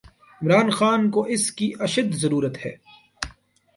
عمران خان کواس کی اشدضرورت ہے۔